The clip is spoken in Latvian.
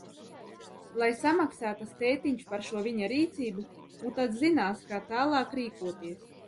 Lai samaksā tas tētiņš par šo viņa rīcību, un tad zinās, kā tālāk rīkoties.